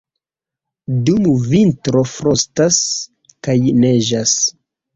Dum vintro frostas kaj neĝas.